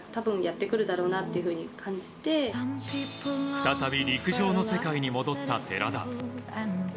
再び陸上の世界に戻った寺田。